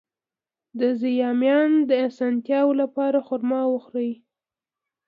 د زایمان د اسانتیا لپاره خرما وخورئ